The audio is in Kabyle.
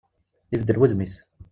Ibeddel wudem-is.